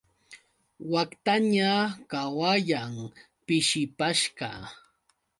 Waktaña qawayan, pishipashqa.